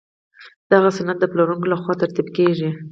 دغه سند د پلورونکي له خوا ترتیب کیږي.